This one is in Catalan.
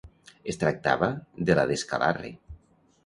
Es tractava de la d'Escalarre.